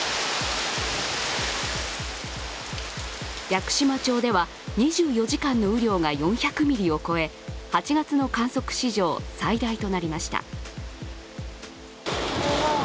屋久島町では２４時間の雨量が４００ミリを超え、８月の観測史上最大となりました。